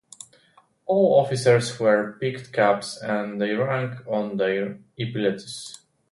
All officers wear peaked caps and their rank on their epaulettes.